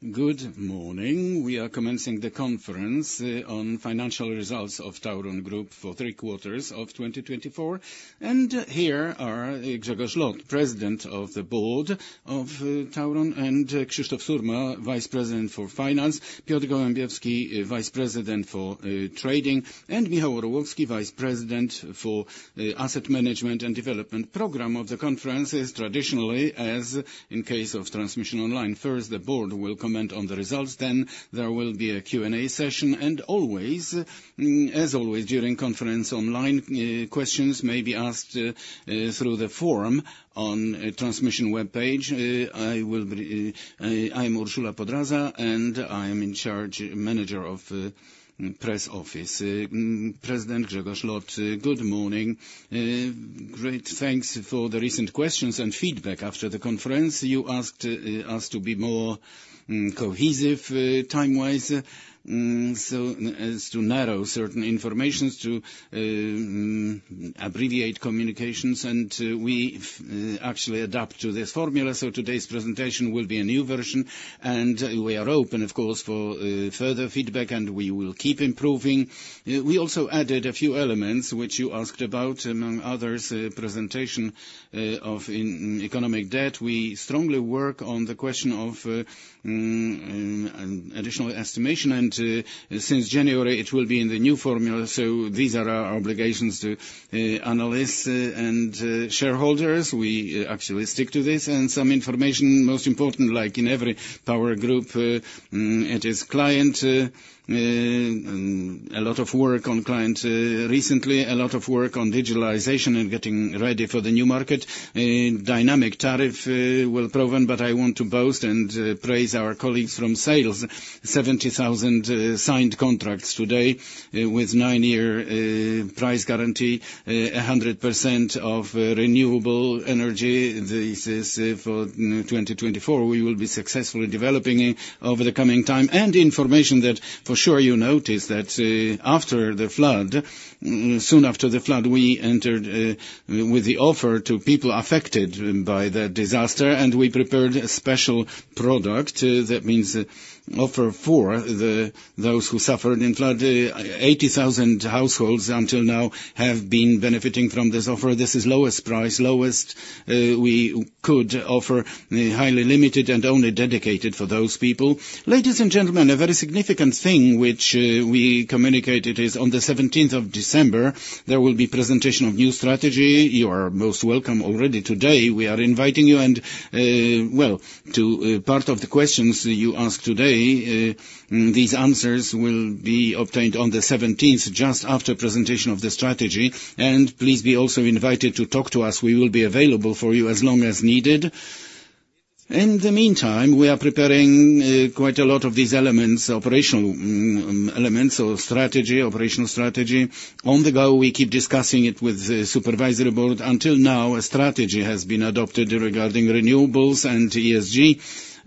Good morning. We are commencing the conference on financial results of Tauron Group for three quarters of 2024, and here are Grzegorz Lot, President of the Board of Tauron, and Krzysztof Surma, Vice President for Finance, Piotr Gołębiewski, Vice President for Trading, and Michał Orłowski, Vice President for Asset Management and Development. Program of the conference is traditionally, as in case of transmission online, first the Board will comment on the results, then there will be a Q&A session, and always, as always during conference online, questions may be asked through the forum on the transmission webpage. I'm Urszula Podraza and I am in charge of the press office. President Grzegorz Lot, good morning. Great thanks for the recent questions and feedback after the conference. You asked us to be more cohesive time-wise, so as to narrow certain information, to abbreviate communications. We actually adapt to this formula. Today's presentation will be a new version. We are open, of course, for further feedback, and we will keep improving. We also added a few elements which you asked about, among others, the presentation of economic debt. We strongly work on the question of additional estimation. Since January, it will be in the new formula. These are our obligations to analysts and shareholders. We actually stick to this. Some information, most important, like in every power group, it is client. A lot of work on client recently, a lot of work on digitalization and getting ready for the new market. Dynamic tariff well proven. I want to boast and praise our colleagues from sales. 70,000 signed contracts today with nine-year price guarantee, 100% of renewable energy. This is for 2024. We will be successfully developing over the coming time, and information that for sure you noticed that after the flood, soon after the flood, we entered with the offer to people affected by the disaster, and we prepared a special product that means offer for those who suffered in flood. 80,000 households until now have been benefiting from this offer. This is lowest price, lowest we could offer, highly limited and only dedicated for those people. Ladies and gentlemen, a very significant thing which we communicated is on the 17th of December, there will be presentation of new strategy. You are most welcome already today. We are inviting you, and, well, to part of the questions you asked today, these answers will be obtained on the 17th, just after presentation of the strategy, and please be also invited to talk to us. We will be available for you as long as needed. In the meantime, we are preparing quite a lot of these elements, operational elements, so strategy, operational strategy. On the go, we keep discussing it with the supervisory board. Until now, a strategy has been adopted regarding renewables and ESG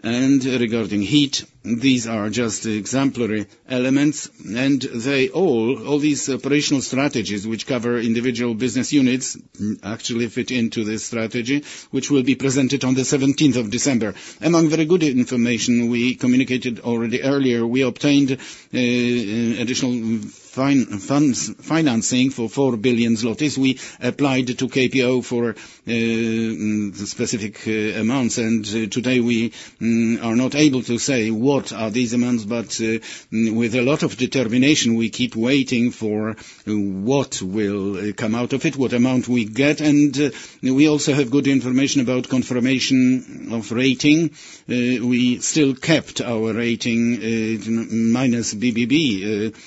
and regarding heat. These are just exemplary elements. They all, all these operational strategies which cover individual business units, actually fit into this strategy, which will be presented on the 17th of December. Among very good information we communicated already earlier, we obtained additional financing for 4 billion zlotys. We applied to KPO for specific amounts. Today we are not able to say what are these amounts. But with a lot of determination, we keep waiting for what will come out of it, what amount we get. We also have good information about confirmation of rating. We still kept our rating BBB-.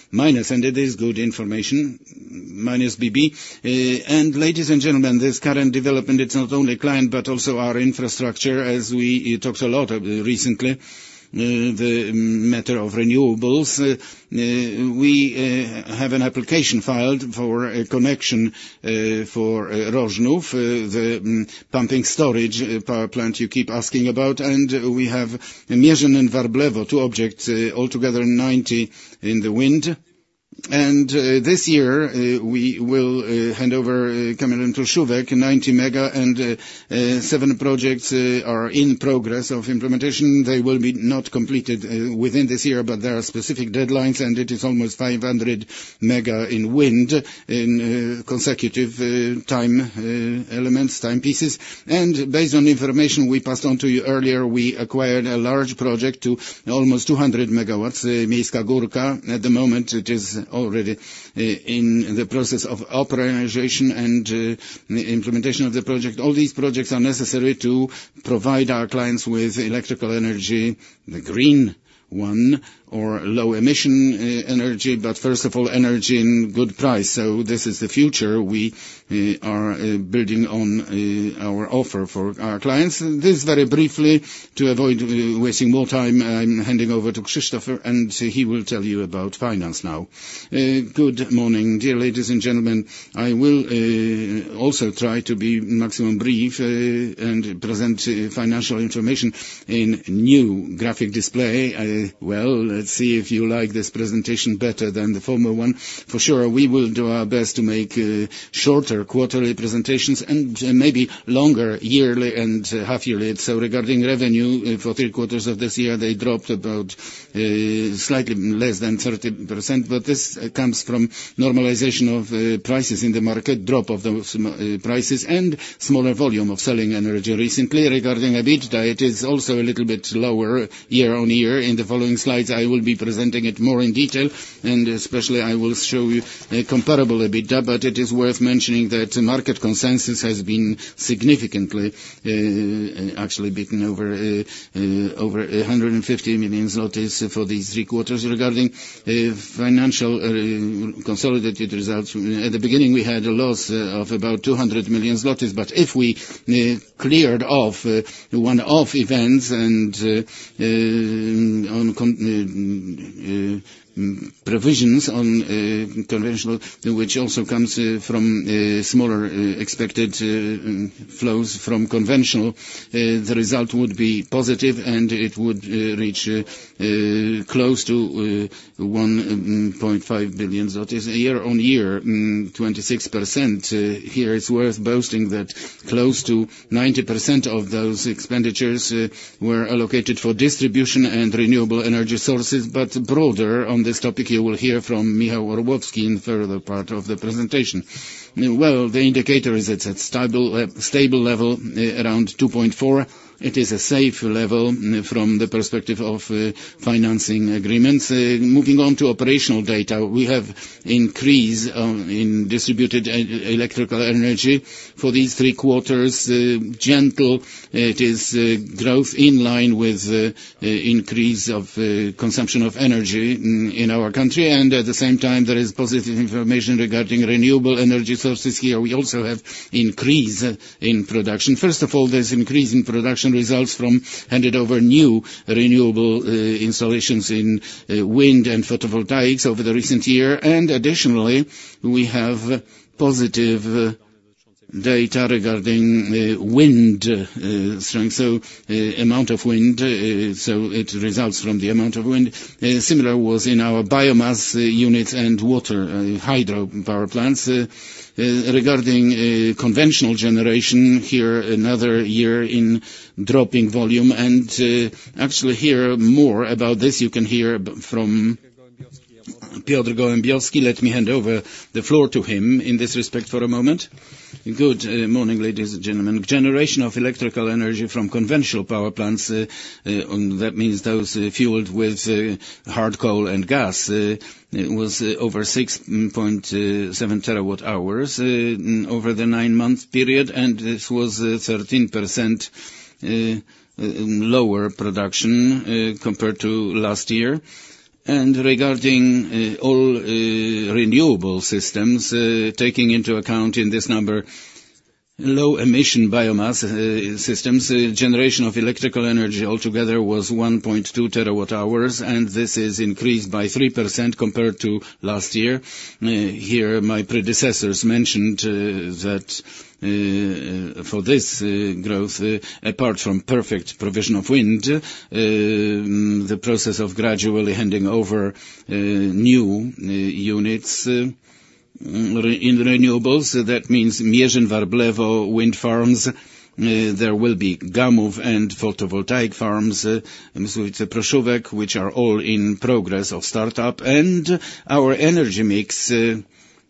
And it is good information, BBB-. And ladies and gentlemen, this current development, it's not only climate, but also our infrastructure. As we talked a lot recently, the matter of renewables. We have an application filed for a connection for Rożnów, the pumping storage power plant you keep asking about. And we have Mierzyn and Warblewo, two objects, altogether 90 in the wind. And this year we will hand over Kamień, Proszówek, 90 mega. And seven projects are in progress of implementation. They will be not completed within this year, but there are specific deadlines. And it is almost 500 mega in wind in consecutive time elements, timepieces. And based on information we passed on to you earlier, we acquired a large project to almost 200 MW, Miejska Górka. At the moment, it is already in the process of operation and implementation of the project. All these projects are necessary to provide our clients with electrical energy, the green one or low emission energy, but first of all, energy in good price, so this is the future. We are building on our offer for our clients. This very briefly, to avoid wasting more time, I'm handing over to Krzysztof, and he will tell you about finance now. Good morning. Dear ladies and gentlemen, I will also try to be maximum brief and present financial information in new graphic display, well, let's see if you like this presentation better than the former one. For sure, we will do our best to make shorter quarterly presentations and maybe longer yearly and half-yearly, so regarding revenue, for three quarters of this year, they dropped about slightly less than 30%. But this comes from normalization of prices in the market, drop of those prices, and smaller volume of selling energy recently. Regarding EBITDA, it is also a little bit lower year-on-year. In the following slides, I will be presenting it more in detail. And especially, I will show you a comparable EBITDA. But it is worth mentioning that market consensus has been significantly actually beaten over 150 million zlotys for these three quarters regarding financial consolidated results. At the beginning, we had a loss of about 200 million zlotys. But if we cleared off one-off events and provisions on conventional, which also comes from smaller expected flows from conventional, the result would be positive and it would reach close to 1.5 billion year-on-year, 26%. Here it's worth boasting that close to 90% of those expenditures were allocated for distribution and renewable energy sources. Broader on this topic, you will hear from Michał Orłowski in further part of the presentation. The indicator is at stable level, around 2.4. It is a safe level from the perspective of financing agreements. Moving on to operational data, we have increase in distributed electrical energy for these three quarters. Gently, it is growth in line with increase of consumption of energy in our country. At the same time, there is positive information regarding renewable energy sources. Here we also have increase in production. First of all, there's increase in production results from handed over new renewable installations in wind and photovoltaics over the recent year. Additionally, we have positive data regarding wind strength, so amount of wind. It results from the amount of wind. Similar was in our biomass units and water hydro power plants. Regarding conventional generation, here another year in dropping volume, and actually here more about this. You can hear from Piotr Gołębiewski. Let me hand over the floor to him in this respect for a moment. Good morning, ladies and gentlemen. Generation of electrical energy from conventional power plants, that means those fueled with hard coal and gas, was over 6.7 TWh over the nine-month period, and this was 13% lower production compared to last year. Regarding all renewable systems, taking into account in this number low emission biomass systems, generation of electrical energy altogether was 1.2 TWh, and this is increased by 3% compared to last year. Here my predecessors mentioned that for this growth, apart from perfect provision of wind, the process of gradually handing over new units in renewables, that means Mierzyn, Warblewo, wind farms. There will be Gamów and photovoltaic farms in Proszówek, which are all in progress of startup. Our energy mix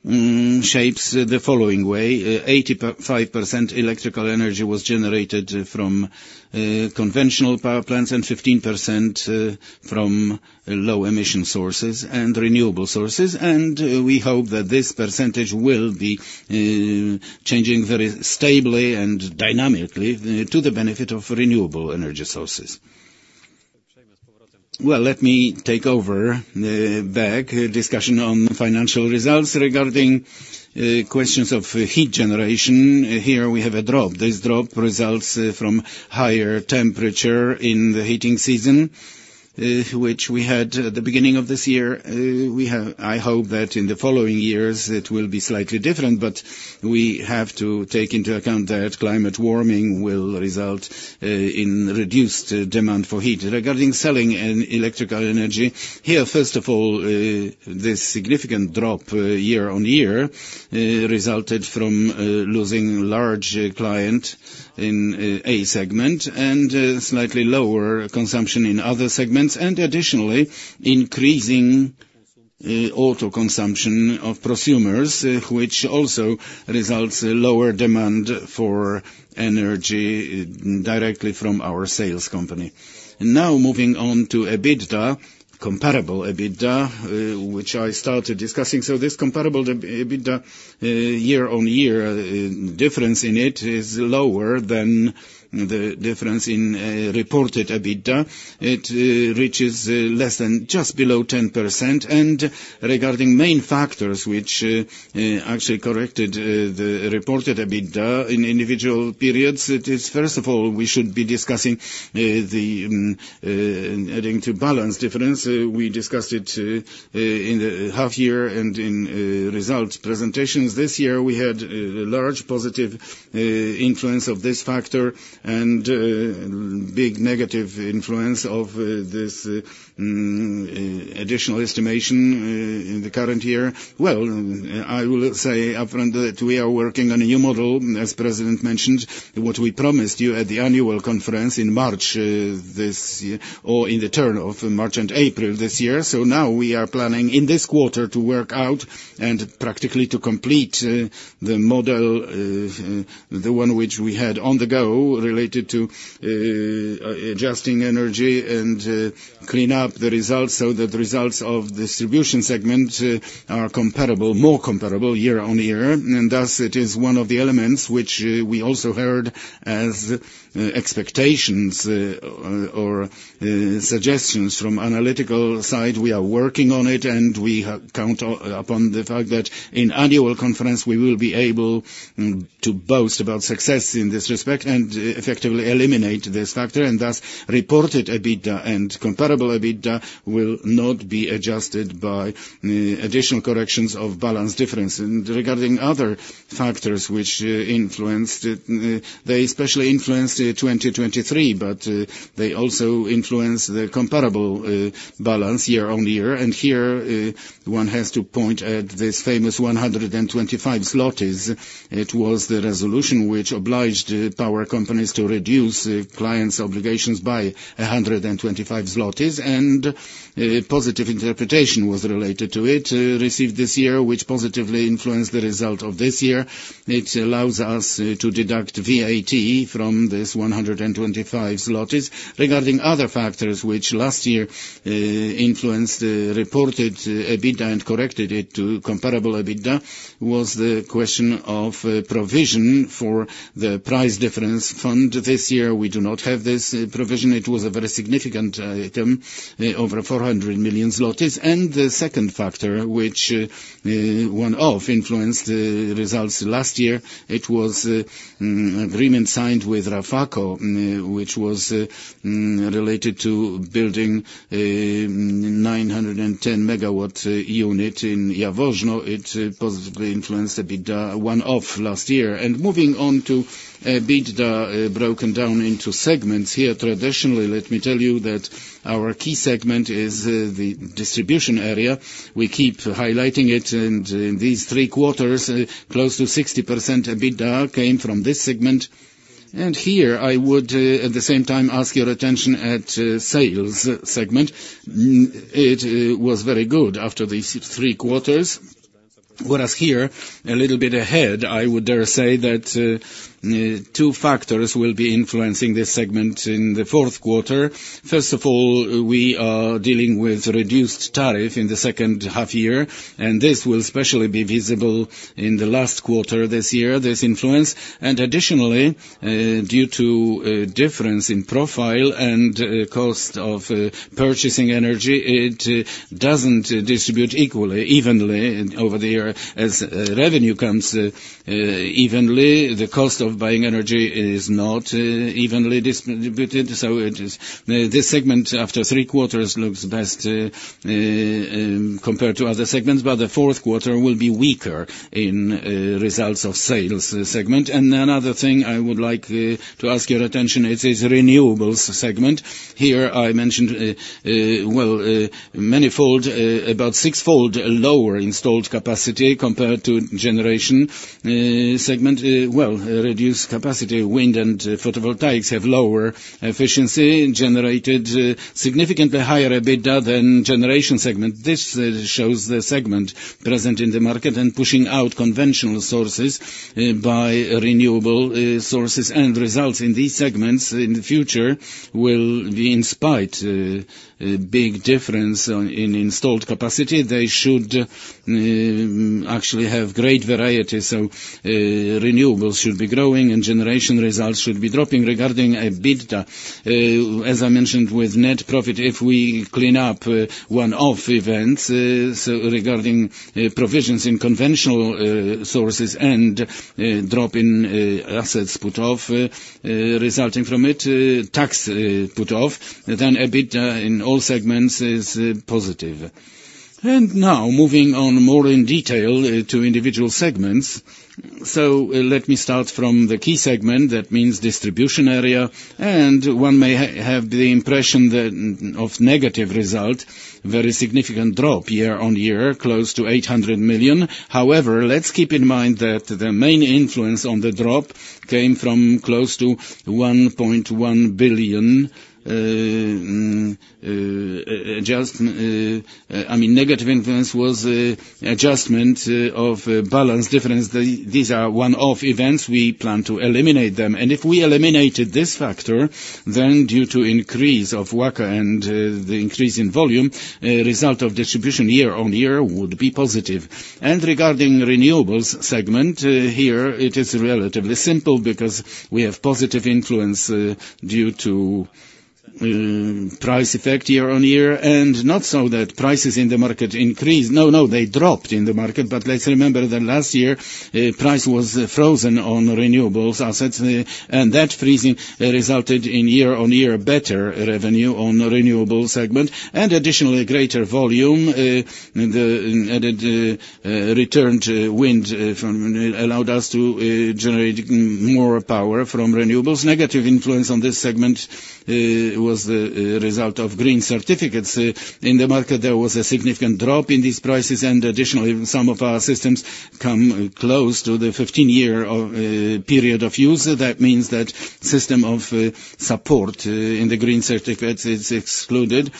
shapes the following way. 85% electrical energy was generated from conventional power plants and 15% from low emission sources and renewable sources. We hope that this percentage will be changing very stably and dynamically to the benefit of renewable energy sources. Let me take back over discussion on financial results regarding questions of heat generation. Here we have a drop. This drop results from higher temperature in the heating season, which we had at the beginning of this year. I hope that in the following years it will be slightly different. We have to take into account that climate warming will result in reduced demand for heat. Regarding selling electrical energy, here first of all, this significant drop year-on-year resulted from losing large client in A segment and slightly lower consumption in other segments. And additionally, increasing auto consumption of prosumers, which also results in lower demand for energy directly from our sales company. Now moving on to EBITDA, comparable EBITDA, which I started discussing. So this comparable EBITDA year-on-year difference in it is lower than the difference in reported EBITDA. It reaches less than just below 10%. And regarding main factors which actually corrected the reported EBITDA in individual periods, it is first of all, we should be discussing the adding to balance difference. We discussed it in the half year and in result presentations. This year we had a large positive influence of this factor and big negative influence of this additional estimation in the current year. I will say upfront that we are working on a new model, as President mentioned, what we promised you at the annual conference in March this year or in the turn of March and April this year, so now we are planning in this quarter to work out and practically to complete the model, the one which we had on the go related to adjusting energy and clean up the results so that results of distribution segment are comparable, more comparable year-on-year, and thus it is one of the elements which we also heard as expectations or suggestions from analytical side. We are working on it, and we count upon the fact that in annual conference we will be able to boast about success in this respect and effectively eliminate this factor. Thus reported EBITDA and comparable EBITDA will not be adjusted by additional corrections of balance difference. Regarding other factors which influenced, they especially influenced 2023. They also influenced the comparable balance year-on-year. Here one has to point at this famous 125 zlotys. It was the resolution which obliged power companies to reduce clients' obligations by 125 zlotys. Positive interpretation was related to it received this year, which positively influenced the result of this year. It allows us to deduct VAT from this 125 zlotys. Regarding other factors which last year influenced reported EBITDA and corrected it to comparable EBITDA was the question of provision for the price difference fund. This year we do not have this provision. It was a very significant item, over 400 million zlotys. The second factor which one-off influenced results last year, it was agreement signed with Rafako, which was related to building 910 MW unit in Jaworzno. It positively influenced EBITDA one-off last year. Moving on to EBITDA broken down into segments here. Traditionally, let me tell you that our key segment is the distribution area. We keep highlighting it. In these three quarters, close to 60% EBITDA came from this segment. Here I would at the same time ask your attention at sales segment. It was very good after these three quarters. Whereas here, a little bit ahead, I would dare say that two factors will be influencing this segment in the fourth quarter. First of all, we are dealing with reduced tariff in the second half year. This will especially be visible in the last quarter this year, this influence. Additionally, due to difference in profile and cost of purchasing energy, it doesn't distribute equally, evenly over the year. As revenue comes evenly, the cost of buying energy is not evenly distributed. This segment after three quarters looks best compared to other segments. The fourth quarter will be weaker in results of sales segment. Another thing I would like to ask your attention, it is renewables segment. Here I mentioned, well, many-fold, about six-fold lower installed capacity compared to generation segment. Well, reduced capacity, wind and photovoltaics have lower efficiency, generated significantly higher EBITDA than generation segment. This shows the segment present in the market and pushing out conventional sources by renewable sources. Results in these segments in the future will be in spite of big difference in installed capacity. They should actually have great variety. So renewables should be growing and generation results should be dropping. Regarding EBITDA, as I mentioned with net profit, if we clean up one-off events regarding provisions in conventional sources and drop in assets put off resulting from it, tax put off, then EBITDA in all segments is positive. And now moving on more in detail to individual segments. So let me start from the key segment. That means distribution area. And one may have the impression of negative result, very significant drop year-on-year, close to 800 million. However, let's keep in mind that the main influence on the drop came from close to 1.1 billion. I mean, negative influence was adjustment of balance difference. These are one-off events. We plan to eliminate them. If we eliminated this factor, then due to increase of WACC and the increase in volume, result of distribution year-on-year would be positive. Regarding renewables segment, here it is relatively simple because we have positive influence due to price effect year-on-year. it is not so that prices in the market increased. No, no, they dropped in the market. But let's remember that last year price was frozen on renewables assets. That freezing resulted in year-on-year better revenue on renewables segment. Additionally, greater volume and returned wind allowed us to generate more power from renewables. Negative influence on this segment was the result of green certificates. In the market, there was a significant drop in these prices. Additionally, some of our systems come close to the 15-year period of use. That means that system of support in the green certificates is excluded,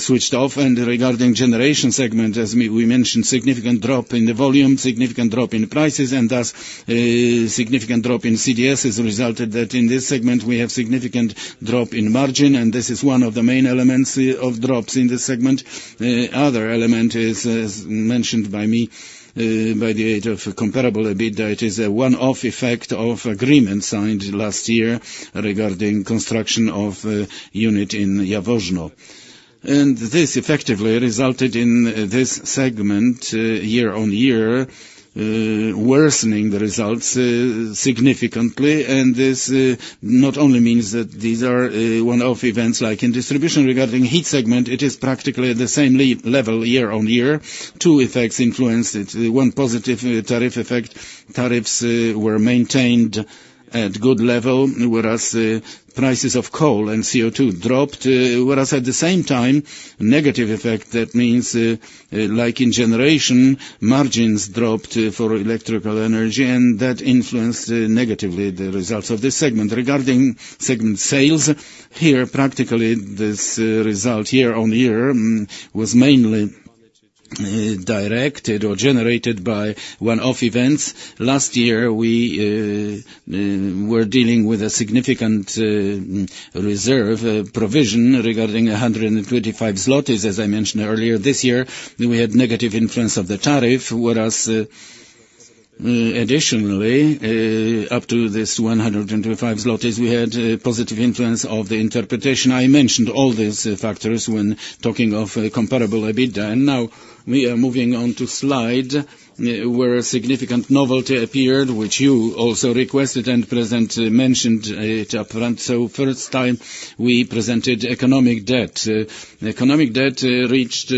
switched off. And regarding generation segment, as we mentioned, significant drop in the volume, significant drop in prices, and thus significant drop in CDS has resulted that in this segment we have significant drop in margin. And this is one of the main elements of drops in this segment. Other element is mentioned by me by the aid of comparable EBITDA. It is a one-off effect of agreement signed last year regarding construction of unit in Jaworzno. And this effectively resulted in this segment year-on-year worsening the results significantly. And this not only means that these are one-off events like in distribution regarding heat segment, it is practically the same level year-on-year. Two effects influenced it. One positive tariff effect, tariffs were maintained at good level, whereas prices of coal and CO2 dropped, whereas at the same time negative effect, that means like in generation, margins dropped for electrical energy. And that influenced negatively the results of this segment. Regarding segment sales, here practically this result year-on-year was mainly directed or generated by one-off events. Last year we were dealing with a significant reserve provision regarding 125 zlotys. As I mentioned earlier, this year we had negative influence of the tariff, whereas additionally up to this 125 we had positive influence of the interpretation. I mentioned all these factors when talking of comparable EBITDA. And now we are moving on to slide where a significant novelty appeared, which you also requested and president mentioned it upfront. So first time we presented economic debt. Economic debt reached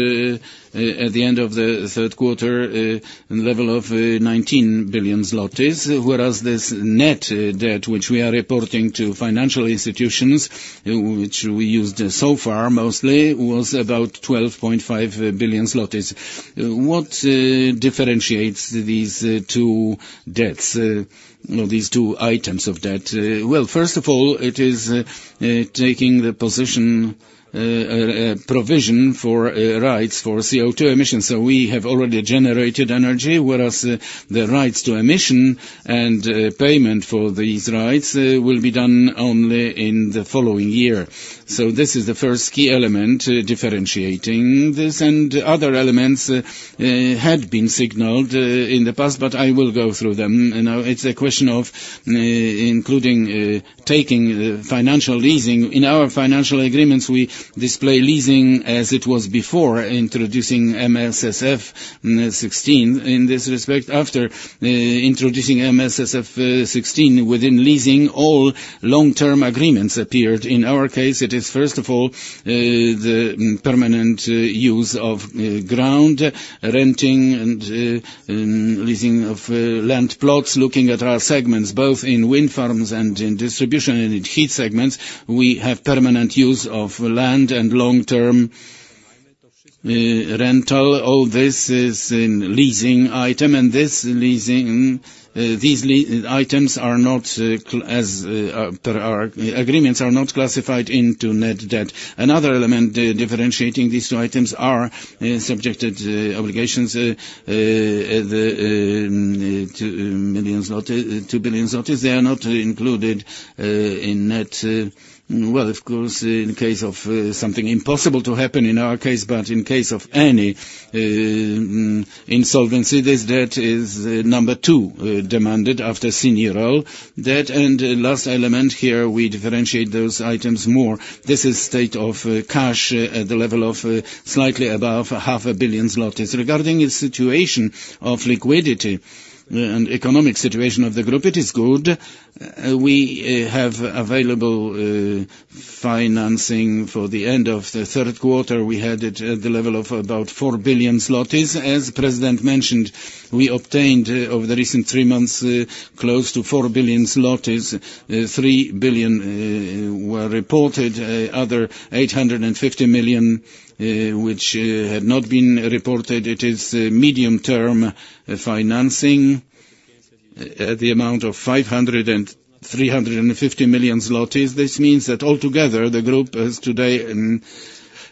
at the end of the third quarter a level of 19 billion zlotys, whereas this net debt, which we are reporting to financial institutions, which we used so far mostly, was about 12.5 billion zlotys. What differentiates these two debts, these two items of debt? First of all, it is taking the position provision for rights for CO2 emissions. So we have already generated energy, whereas the rights to emission and payment for these rights will be done only in the following year. So this is the first key element differentiating this. Other elements had been signaled in the past, but I will go through them. Now it's a question of including taking financial leasing. In our financial agreements, we display leasing as it was before, introducing IFRS 16. In this respect, after introducing IFRS 16 within leasing, all long-term agreements appeared. In our case, it is first of all the permanent use of ground, renting, and leasing of land plots. Looking at our segments, both in wind farms and in distribution and in heat segments, we have permanent use of land and long-term rental. All this is in leasing item. These items are not as our agreements are not classified into net debt. Another element differentiating these two items are subjected obligations to 2 billion zloty. They are not included in net. Of course, in case of something impossible to happen in our case, but in case of any insolvency, this debt is number two demanded after senior debt. Last element here, we differentiate those items more. This is state of cash at the level of slightly above 500 million zlotys. Regarding the situation of liquidity and economic situation of the group, it is good. We have available financing for the end of the third quarter. We had it at the level of about 4 billion zlotys. As President mentioned, we obtained over the recent three months close to 4 billion zlotys. 3 billion were reported. Other 850 million, which had not been reported, it is medium-term financing at the amount of 350 million zlotys. This means that altogether the group today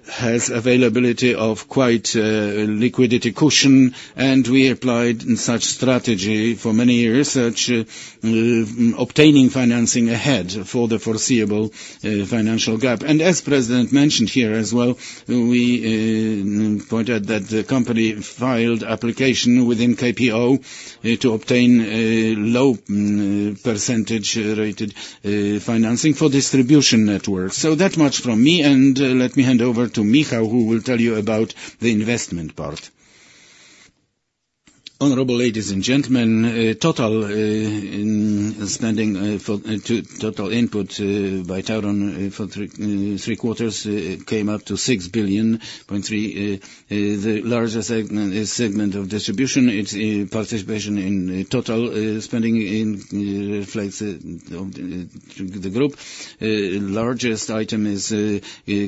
has availability of quite liquidity cushion. And we applied such strategy for many years such obtaining financing ahead for the foreseeable financial gap. And as President mentioned here as well, we pointed that the company filed application within KPO to obtain low percentage rated financing for distribution networks. So that much from me. And let me hand over to Michał, who will tell you about the investment part. Honorable ladies and gentlemen, total spending for total input by Tauron for three quarters came up to 6 billion. The largest segment of distribution, its participation in total spending reflects the group. Largest item is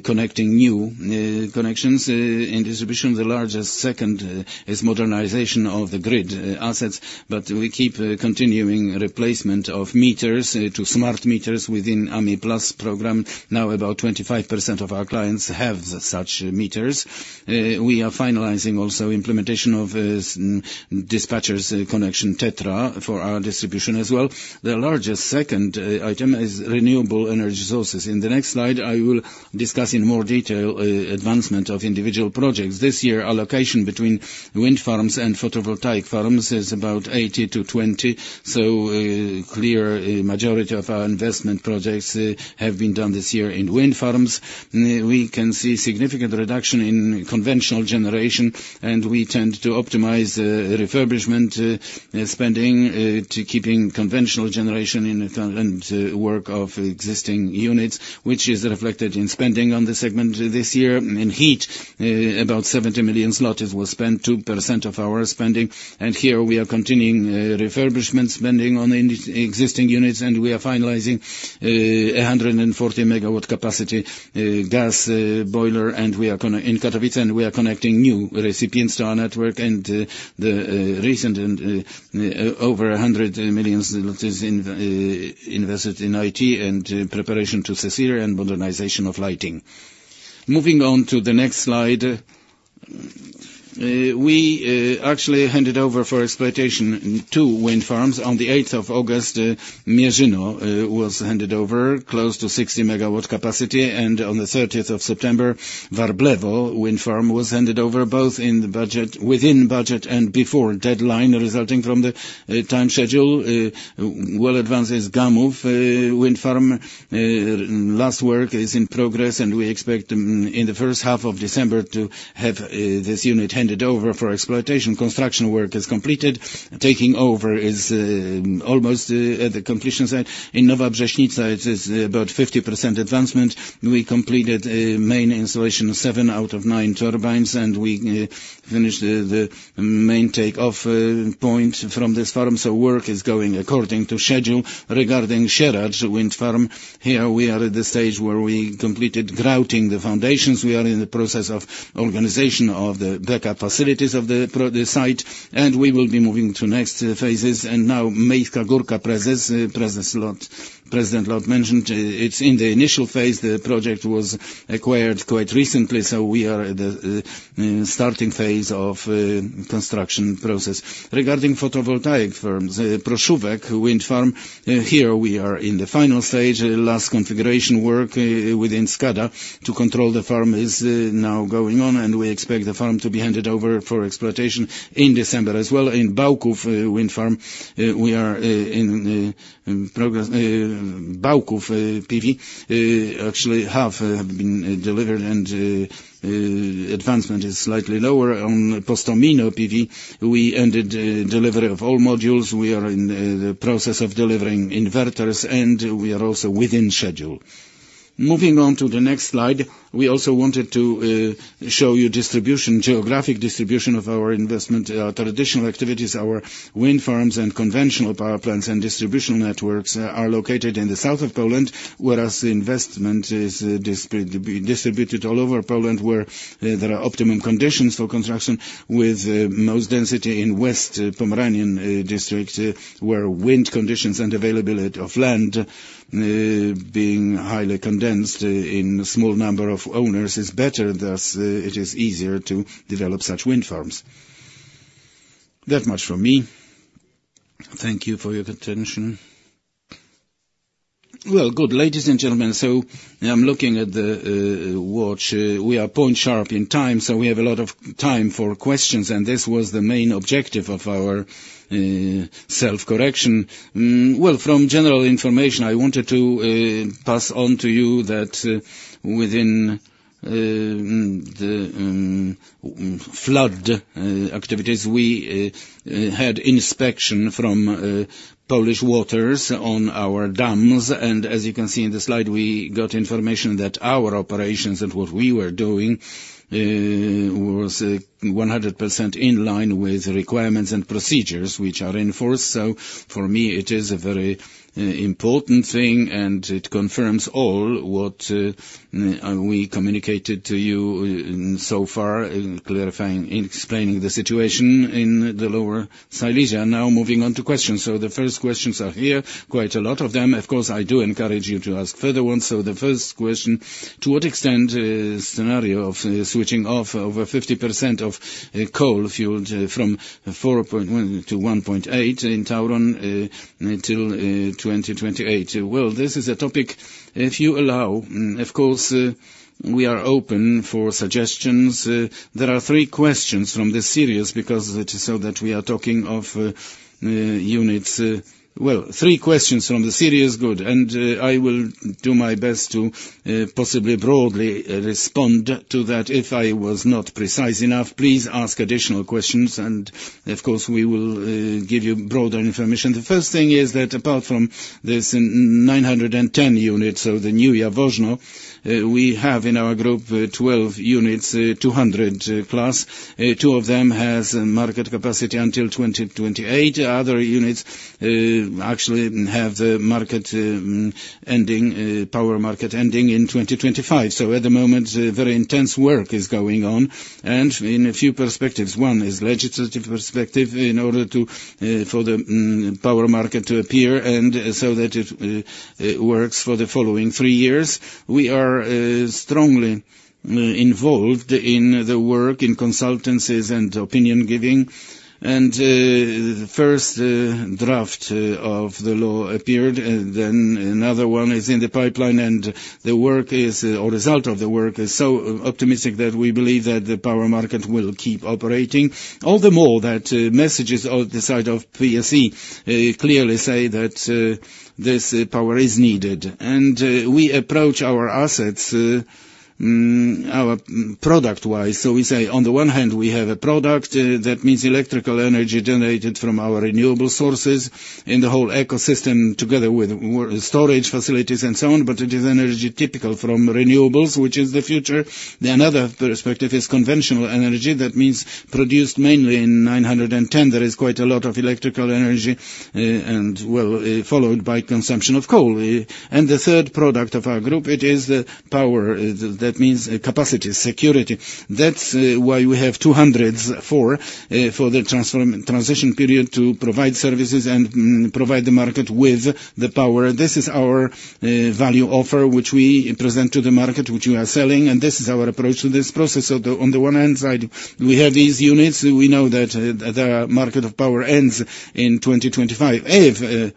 connecting new connections in distribution. The second largest is modernization of the grid assets. But we keep continuing replacement of meters to smart meters within AMIplus program. Now about 25% of our clients have such meters. We are finalizing also implementation of dispatchers connection TETRA for our distribution as well. The second largest item is renewable energy sources. In the next slide, I will discuss in more detail advancement of individual projects. This year, allocation between wind farms and photovoltaic farms is about 80% to 20%. So clear majority of our investment projects have been done this year in wind farms. We can see significant reduction in conventional generation. We tend to optimize refurbishment spending to keeping conventional generation in work of existing units, which is reflected in spending on the segment this year. In heat, about 70 million zloty was spent, 2% of our spending. Here we are continuing refurbishment spending on existing units. We are finalizing 140 MW capacity gas boiler. We are in Katowice, and we are connecting new recipients to our network. And recently over PLN 100 million invested in IT and preparation to CSIRE and modernization of lighting. Moving on to the next slide, we actually handed over for exploitation two wind farms. On the 8th of August, Mierzyn was handed over close to 60 MW capacity. And on the 30th of September, Warblewo wind farm was handed over both in budget, within budget, and before deadline resulting from the time schedule. Well advanced is Gamów wind farm. Last work is in progress. And we expect in the first half of December to have this unit handed over for exploitation. Construction work is completed. Taking over is almost at the completion site. In Nowa Brzeźnica, it is about 50% advancement. We completed main installation of seven out of nine turbines. And we finished the main takeoff point from this farm. So work is going according to schedule. Regarding Sieradz wind farm, here we are at the stage where we completed grouting the foundations. We are in the process of organization of the backup facilities of the site. And we will be moving to next phases. And now Miejska Górka President Lot mentioned, it's in the initial phase. The project was acquired quite recently. So we are at the starting phase of construction process. Regarding photovoltaic farms, Proszówek photovoltaic farm, here we are in the final stage. Last configuration work within SCADA to control the farm is now going on, and we expect the farm to be handed over for exploitation in December as well. In Bałków wind farm, we are in Bałków PV. Actually, half have been delivered, and advancement is slightly lower on Postomino PV. We ended delivery of all modules. We are in the process of delivering inverters, and we are also within schedule. Moving on to the next slide, we also wanted to show you distribution, geographic distribution of our investment. Our traditional activities, our wind farms and conventional power plants and distributional networks are located in the south of Poland, whereas the investment is distributed all over Poland where there are optimum conditions for construction, with most density in West Pomeranian district, where wind conditions and availability of land being highly condensed in a small number of owners is better. Thus, it is easier to develop such wind farms. That much from me. Thank you for your attention. Well, good. Ladies and gentlemen, so I'm looking at the watch. We are point sharp in time. So we have a lot of time for questions. And this was the main objective of our self-correction. Well, from general information, I wanted to pass on to you that within the flood activities, we had inspection from Polish Waters on our dams. And as you can see in the slide, we got information that our operations and what we were doing was 100% in line with requirements and procedures which are enforced. So for me, it is a very important thing. And it confirms all what we communicated to you so far, clarifying, explaining the situation in the Lower Silesia. Now moving on to questions. The first questions are here, quite a lot of them. Of course, I do encourage you to ask further ones. The first question, to what extent is the scenario of switching off over 50% of coal-fueled from 4.1 to 1.8 in Tauron until 2028? Well, this is a topic, if you allow. Of course, we are open for suggestions. There are three questions from the series because it is so that we are talking of units. Well, three questions from the series. Good. And I will do my best to possibly broadly respond to that. If I was not precise enough, please ask additional questions. And of course, we will give you broader information. The first thing is that apart from this 910 units, so the new Jaworzno, we have in our group 12 units, 200+. Two of them have market capacity until 2028. Other units actually have market ending, Power Market ending in 2025, so at the moment, very intense work is going on, and in a few perspectives, one is legislative perspective in order for the Power Market to appear and so that it works for the following three years. We are strongly involved in the work, in consultancies and opinion giving, and the first draft of the law appeared, then another one is in the pipeline, and the work is, or result of the work is so optimistic that we believe that the Power Market will keep operating. All the more that messages on the side of PSE clearly say that this power is needed, and we approach our assets, our product-wise, so we say, on the one hand, we have a product. That means electrical energy generated from our renewable sources in the whole ecosystem together with storage facilities and so on, but it is energy typical from renewables, which is the future. Another perspective is conventional energy. That means produced mainly in 910. There is quite a lot of electrical energy and, well, followed by consumption of coal, and the third product of our group, it is the power. That means capacity security. That's why we have 200 for the transition period to provide services and provide the market with the power. This is our value offer which we present to the market, which we are selling, and this is our approach to this process, so on the one hand side, we have these units. We know that the market of power ends in 2025. If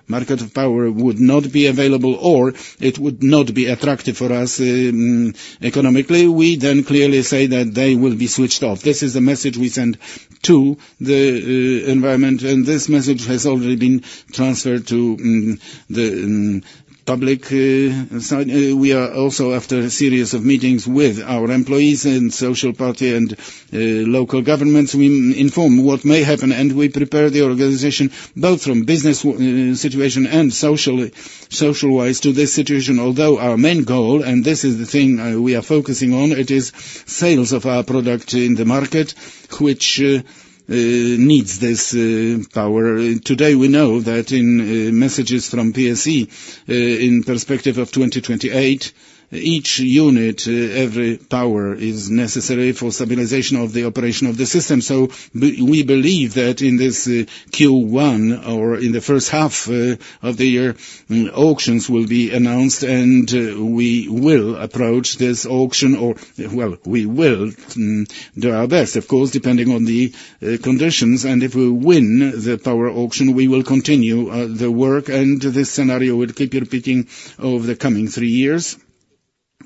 market of power would not be available or it would not be attractive for us economically, we then clearly say that they will be switched off. This is the message we send to the environment. And this message has already been transferred to the public side. We are also, after a series of meetings with our employees and social party and local governments, we inform what may happen. And we prepare the organization both from business situation and social-wise to this situation. Although our main goal, and this is the thing we are focusing on, it is sales of our product in the market, which needs this power. Today, we know that in messages from PSE in perspective of 2028, each unit, every power is necessary for stabilization of the operation of the system. So we believe that in this Q1 or in the first half of the year, auctions will be announced. And we will approach this auction or, well, we will do our best, of course, depending on the conditions. And if we win the power auction, we will continue the work. And this scenario will keep repeating over the coming three years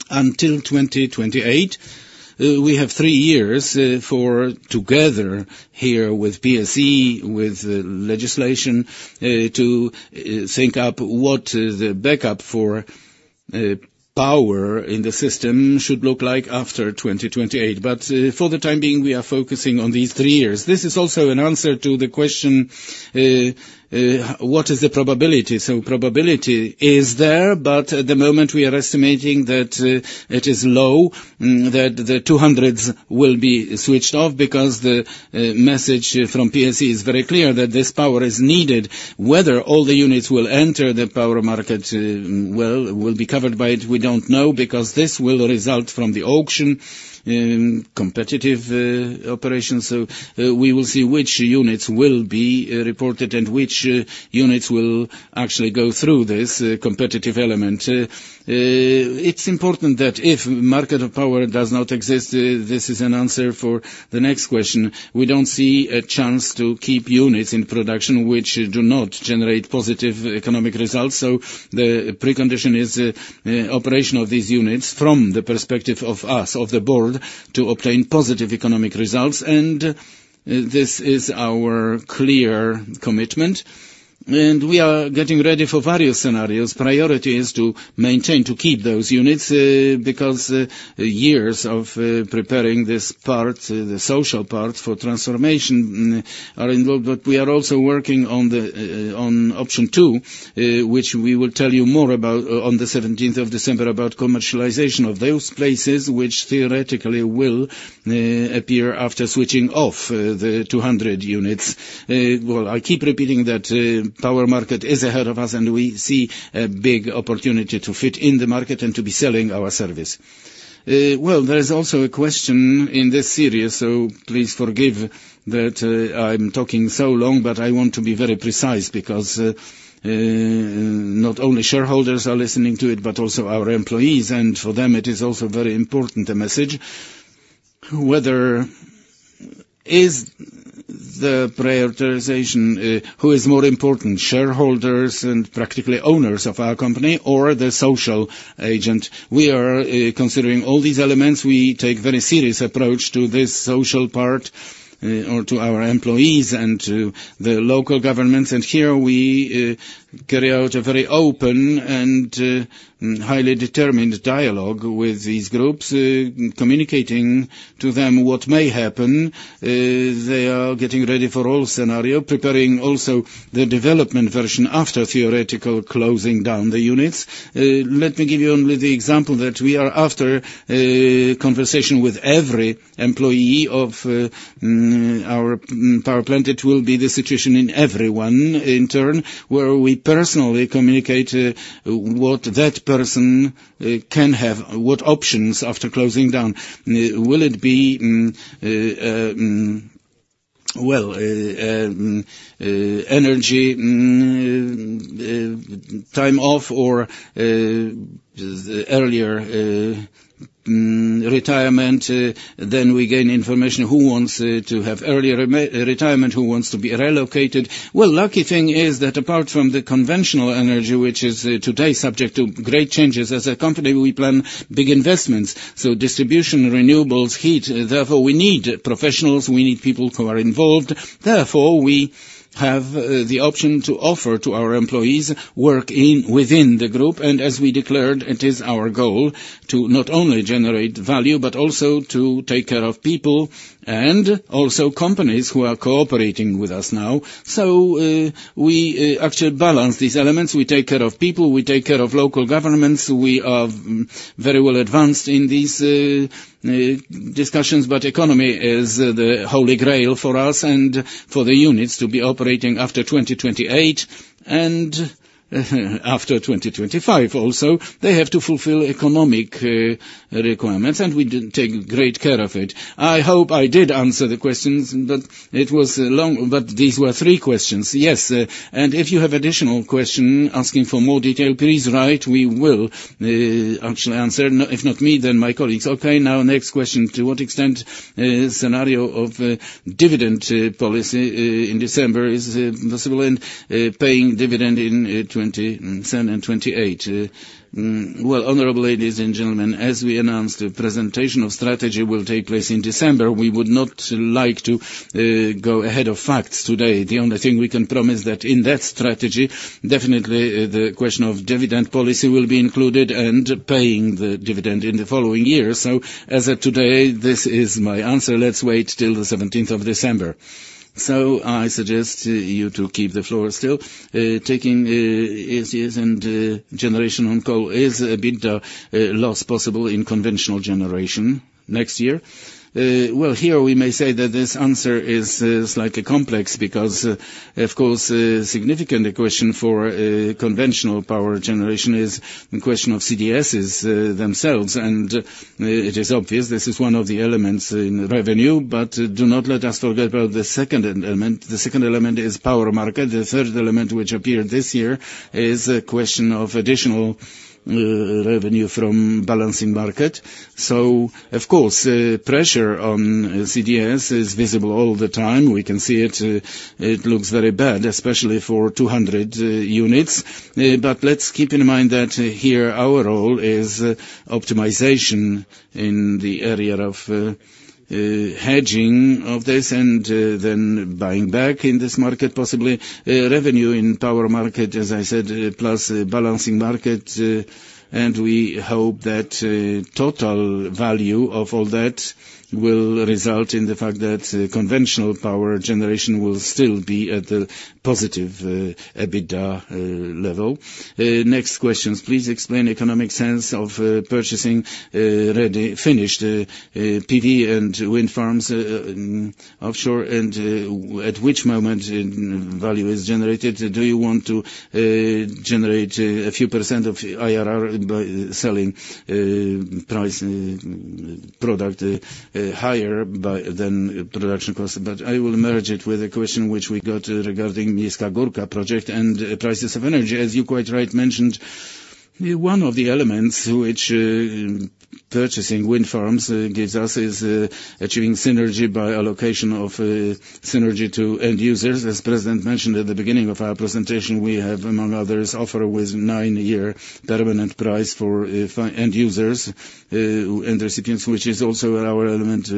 until 2028. We have three years for together here with PSE, with legislation to think up what the backup for power in the system should look like after 2028. But for the time being, we are focusing on these three years. This is also an answer to the question, what is the probability? So probability is there. But at the moment, we are estimating that it is low that the 200s will be switched off because the message from PSE is very clear that this power is needed. Whether all the units will enter the power market will be covered by it, we don't know because this will result from the auction, competitive operations, so we will see which units will be reported and which units will actually go through this competitive element. It's important that if Power Market does not exist, this is an answer for the next question. We don't see a chance to keep units in production which do not generate positive economic results, so the precondition is operation of these units from the perspective of us, of the Board, to obtain positive economic results, and this is our clear commitment, and we are getting ready for various scenarios. Priority is to maintain, to keep those units because years of preparing this part, the social part for transformation are involved. We are also working on option two, which we will tell you more about on the 17th of December, about commercialization of those places which theoretically will appear after switching off the 200 units. I keep repeating that power market is ahead of us. We see a big opportunity to fit in the market and to be selling our service. There is also a question in this series. Please forgive that I'm talking so long. I want to be very precise because not only shareholders are listening to it, but also our employees. For them, it is also very important a message. Whether is the prioritization who is more important, shareholders and practically owners of our company or the social agent? We are considering all these elements. We take very serious approach to this social part or to our employees and to the local governments, and here we carry out a very open and highly determined dialogue with these groups, communicating to them what may happen. They are getting ready for all scenario, preparing also the development version after theoretical closing down the units. Let me give you only the example that we are after conversation with every employee of our power plant. It will be the situation in everyone in turn where we personally communicate what that person can have, what options after closing down. Will it be well energy, time off, or earlier retirement, then we gain information who wants to have earlier retirement, who wants to be relocated, well, the lucky thing is that apart from the conventional energy, which is today subject to great changes as a company, we plan big investments. So, distribution, renewables, heat. Therefore, we need professionals. We need people who are involved. Therefore, we have the option to offer to our employees work within the group. And as we declared, it is our goal to not only generate value, but also to take care of people and also companies who are cooperating with us now. So we actually balance these elements. We take care of people. We take care of local governments. We are very well advanced in these discussions. But economy is the holy grail for us and for the units to be operating after 2028 and after 2025 also. They have to fulfill economic requirements. And we take great care of it. I hope I did answer the questions, but it was long. But these were three questions. Yes. And if you have additional questions asking for more detail, please write. We will actually answer. If not me, then my colleagues. Okay. Now, next question. To what extent scenario of dividend policy in December is possible and paying dividend in 2028? Well, honorable ladies and gentlemen, as we announced, the presentation of strategy will take place in December. We would not like to go ahead of facts today. The only thing we can promise that in that strategy, definitely the question of dividend policy will be included and paying the dividend in the following year. So as of today, this is my answer. Let's wait till the 17th of December. So I suggest you to keep the floor still. The key issues in generation on coal is a bit less possible in conventional generation next year. Well, here we may say that this answer is slightly complex because, of course, significant question for conventional power generation is question of CDSs themselves. It is obvious this is one of the elements in revenue. Do not let us forget about the second element. The second element is power market. The third element, which appeared this year, is a question of additional revenue from balancing market. Of course, pressure on CDS is visible all the time. We can see it. It looks very bad, especially for 200 units. Let's keep in mind that here our role is optimization in the area of hedging of this and then buying back in this market, possibly revenue in power market, as I said, plus balancing market. We hope that total value of all that will result in the fact that conventional power generation will still be at the positive EBITDA level. Next questions, please explain economic sense of purchasing ready finished PV and wind farms offshore and at which moment value is generated. Do you want to generate a few percent of IRR selling price product higher than production cost? But I will merge it with a question which we got regarding Miejska Górka project and prices of energy. As you quite right mentioned, one of the elements which purchasing wind farms gives us is achieving synergy by allocation of synergy to end users. As President mentioned at the beginning of our presentation, we have, among others, offer with nine-year permanent price for end users and recipients, which is also our element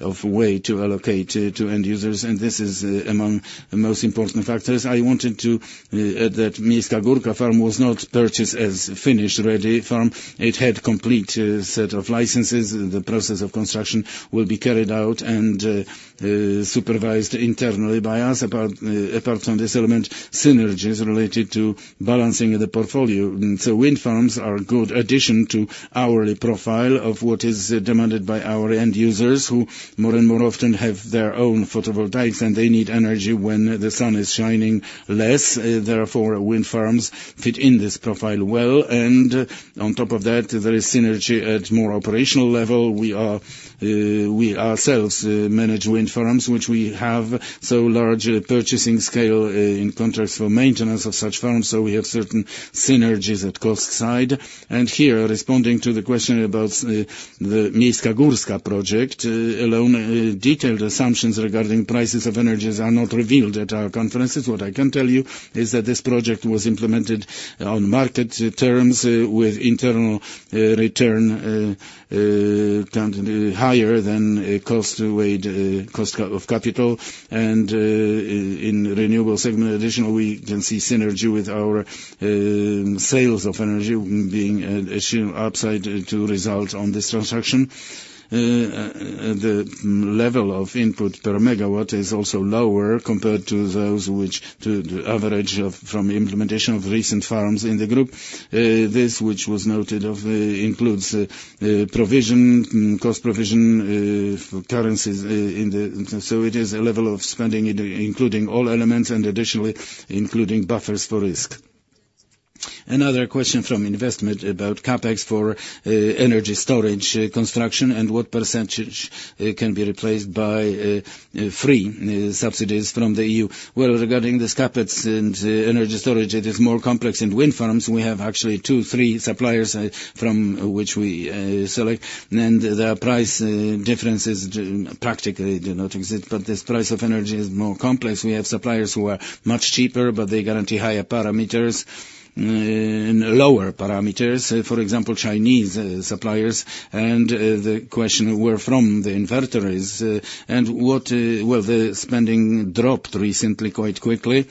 of way to allocate to end users. And this is among the most important factors. I wanted to add that Miejska Górka farm was not purchased as finished ready farm. It had complete set of licenses. The process of construction will be carried out and supervised internally by us. Apart from this element, synergies related to balancing the portfolio, so wind farms are a good addition to hourly profile of what is demanded by our end users who more and more often have their own photovoltaics and they need energy when the sun is shining less. Therefore, wind farms fit in this profile well, and on top of that, there is synergy at more operational level. We ourselves manage wind farms, which we have so large purchasing scale in contracts for maintenance of such farms. So we have certain synergies at cost side, and here, responding to the question about the Miejska Górka project, alone detailed assumptions regarding prices of energy are not revealed at our conferences. What I can tell you is that this project was implemented on market terms with internal return higher than WACC, cost of capital, and in renewable segment, additional, we can see synergy with our sales of energy being upside to result on this transaction. The level of input per megawatt is also lower compared to those which to the average from implementation of recent farms in the group. This, which was noted, includes provision, cost provision currencies, so it is a level of spending including all elements and additionally including buffers for risk. Another question from investment about CAPEX for energy storage construction and what percentage can be replaced by free subsidies from the EU. Well, regarding this CAPEX and energy storage, it is more complex in wind farms. We have actually two, three suppliers from which we select, and the price differences practically do not exist. But this price of energy is more complex. We have suppliers who are much cheaper, but they guarantee higher parameters and lower parameters. For example, Chinese suppliers and the question where from the inverter is, and well, the spending dropped recently quite quickly,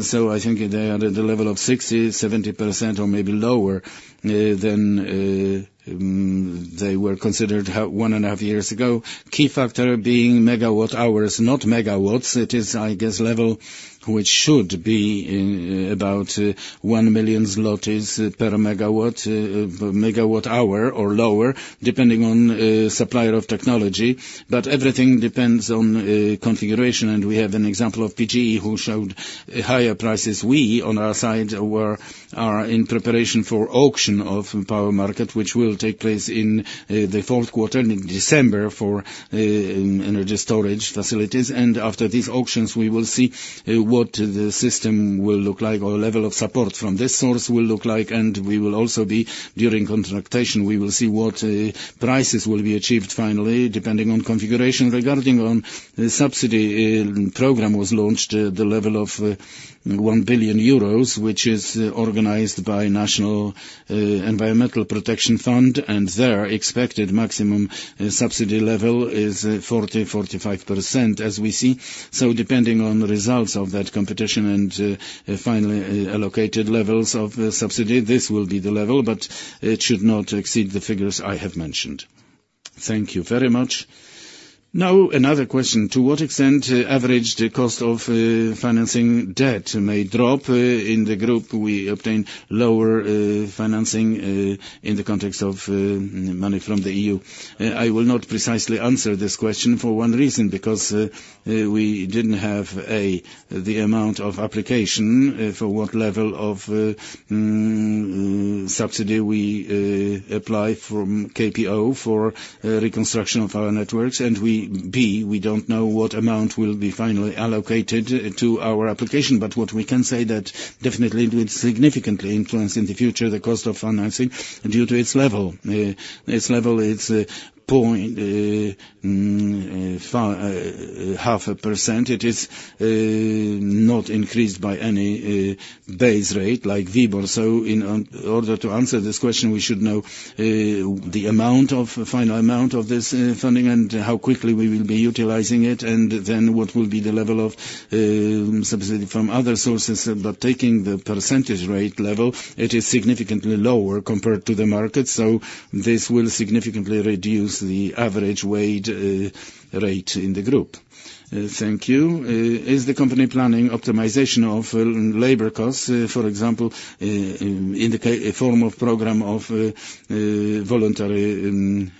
so I think they are at the level of 60%-70% or maybe lower than they were considered one and a half years ago. Key factor being megawatt hours, not megawatts. It is, I guess, level which should be about 1 million zlotys per megawatt hour or lower, depending on supplier of technology, but everything depends on configuration, and we have an example of PGE who showed higher prices. We on our side were in preparation for auction of power market, which will take place in the fourth quarter in December for energy storage facilities. After these auctions, we will see what the system will look like or level of support from this source will look like. We will also be during contracting, we will see what prices will be achieved finally, depending on configuration. Regarding the subsidy program that was launched, the level of 1 billion euros, which is organized by National Fund for Environmental Protection and Water Management. Their expected maximum subsidy level is 40%-45%, as we see. So depending on results of that competition and finally allocated levels of subsidy, this will be the level. But it should not exceed the figures I have mentioned. Thank you very much. Now, another question. To what extent the average cost of financing debt may drop in the group? We obtain lower financing in the context of money from the EU. I will not precisely answer this question for one reason, because we didn't have the amount of application for what level of subsidy we apply from KPO for reconstruction of our networks. And we don't know what amount will be finally allocated to our application. But what we can say that definitely would significantly influence in the future the cost of financing due to its level. Its level is 0.5%. It is not increased by any base rate like WIBOR. So in order to answer this question, we should know the final amount of this funding and how quickly we will be utilizing it. And then what will be the level of subsidy from other sources. But taking the percentage rate level, it is significantly lower compared to the market. So this will significantly reduce the average weighted rate in the group. Thank you. Is the company planning optimization of labor costs, for example, in the form of program of voluntary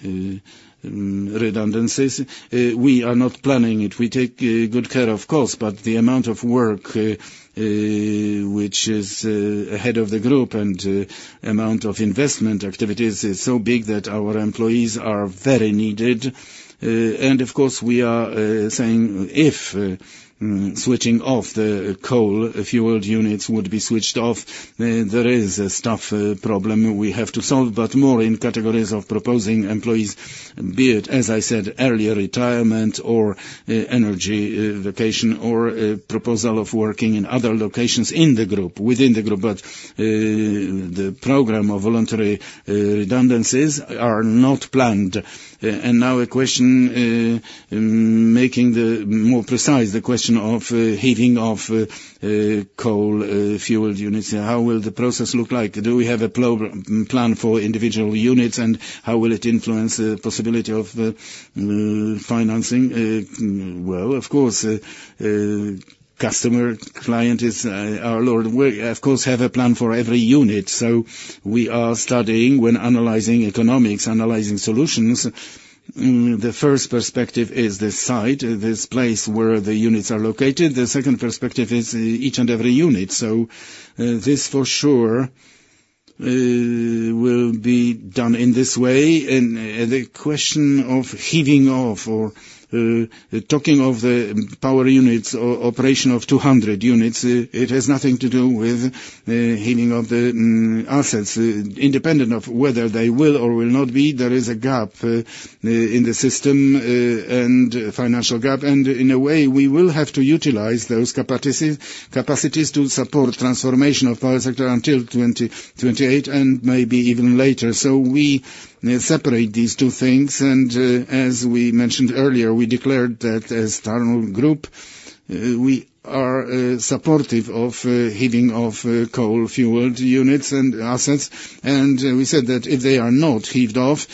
redundancies? We are not planning it. We take good care of costs. The amount of work, which is ahead of the group and amount of investment activities is so big that our employees are very needed. Of course, we are saying if switching off the coal-fired units would be switched off, there is a staff problem we have to solve. More in categories of proposing employees, be it, as I said earlier, retirement or energy vacation or proposal of working in other locations in the group, within the group. The program of voluntary redundancies are not planned. Now a question making more precise the question of shutting of coal-fired units. How will the process look like? Do we have a plan for individual units? And how will it influence the possibility of financing? Well, of course, customer, client is our Lord. We, of course, have a plan for every unit. So we are studying when analyzing economics, analyzing solutions. The first perspective is the site, this place where the units are located. The second perspective is each and every unit. So this for sure will be done in this way. And the question of phasing out or taking off the power units or operation of 200 units, it has nothing to do with phasing out of the assets. Independent of whether they will or will not be, there is a gap in the system and financial gap. And in a way, we will have to utilize those capacities to support transformation of power sector until 2028 and maybe even later. So we separate these two things. As we mentioned earlier, we declared that as Tauron Group, we are supportive of phasing out of coal-fired units and assets. We said that if they are not phased out,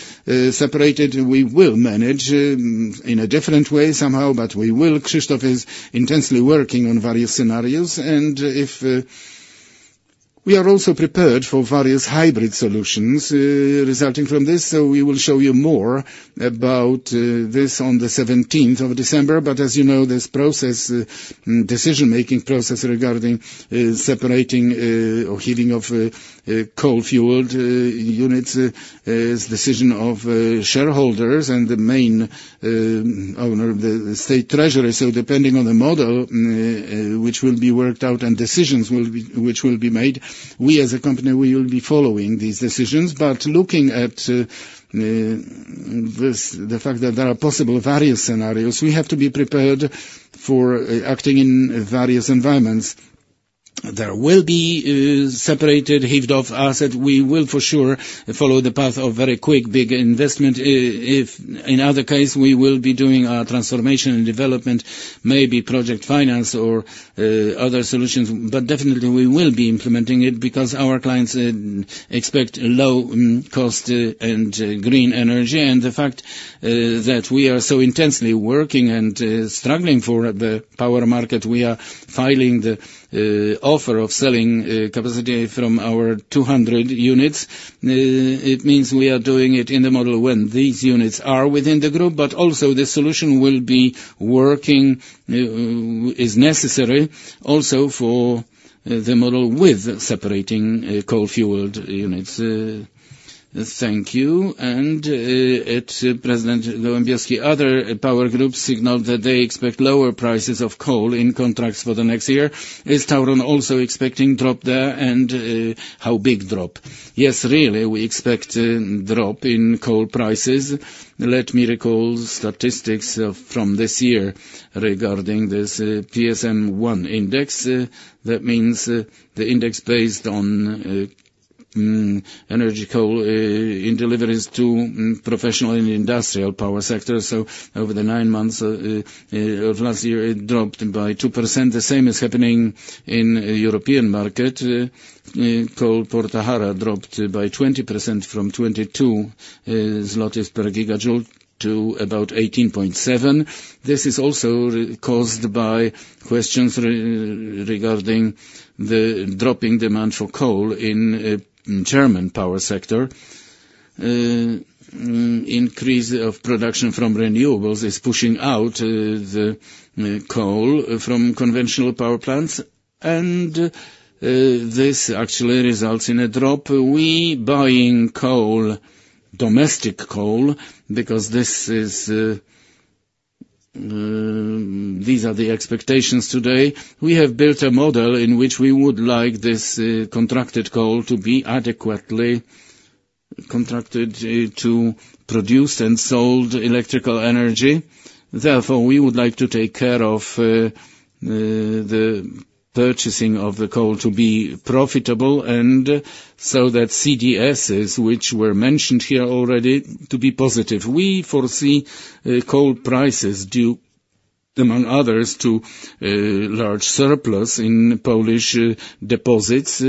separated, we will manage in a different way somehow, but we will. Krzysztof is intensely working on various scenarios. We are also prepared for various hybrid solutions resulting from this. We will show you more about this on the 17th of December. As you know, this process, decision-making process regarding separating or phasing out of coal-fired units is decision of shareholders and the main owner, the State Treasury. Depending on the model which will be worked out and decisions which will be made, we as a company, we will be following these decisions. Looking at the fact that there are possible various scenarios, we have to be prepared for acting in various environments. There will be a separated hived-off asset. We will for sure follow the path of very quick big investment. In other case, we will be doing our transformation and development, maybe project finance or other solutions. But definitely, we will be implementing it because our clients expect low cost and green energy. And the fact that we are so intensely working and struggling for the power market, we are filing the offer of selling capacity from our 200 units. It means we are doing it in the model when these units are within the group. But also the solution will be working, is necessary also for the model with separating coal-fueled units. Thank you. And at Piotr Gołębiewski, other power groups signaled that they expect lower prices of coal in contracts for the next year. Is Tauron also expecting drop there and how big drop? Yes, really, we expect drop in coal prices. Let me recall statistics from this year regarding this PSCMI 1 index. That means the index based on energy coal in deliveries to professional and industrial power sectors, so over the nine months of last year, it dropped by 2%. The same is happening in European market. Coal ARA dropped by 20% from 22 zlotys per gigajoule to about 18.7. This is also caused by questions regarding the dropping demand for coal in German power sector. Increase of production from renewables is pushing out the coal from conventional power plants, and this actually results in a drop. We buying coal, domestic coal, because these are the expectations today. We have built a model in which we would like this contracted coal to be adequately contracted to produce and sold electrical energy. Therefore, we would like to take care of the purchasing of the coal to be profitable and so that CDSs, which were mentioned here already, to be positive. We foresee coal prices due, among others, to large surplus in Polish deposits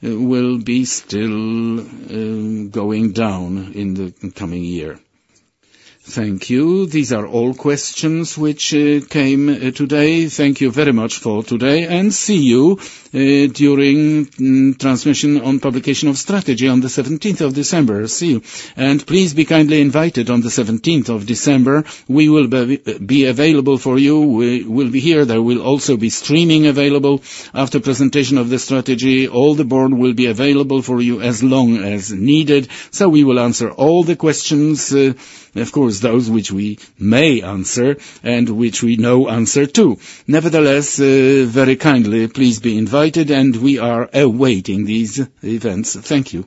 will be still going down in the coming year. Thank you. These are all questions which came today. Thank you very much for today and see you during transmission on publication of strategy on the 17th of December. See you and please be kindly invited on the 17th of December. We will be available for you. We will be here. There will also be streaming available after presentation of the strategy. All the board will be available for you as long as needed, so we will answer all the questions, of course, those which we may answer and which we know answer to. Nevertheless, very kindly, please be invited and we are awaiting these events. Thank you.